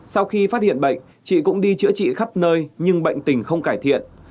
sau khi phát hiện bệnh chị cũng đi chữa trị khắp nơi nhưng bệnh tình không cải thiện